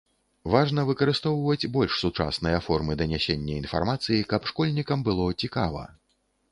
Важна выкарыстоўваць больш сучасныя формы данясення інфармацыі, каб школьнікам было цікава.